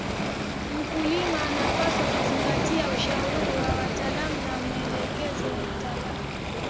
Mkulima anapaswa kuzingatia ushauri wa wataalam na maelekezo ya mtaala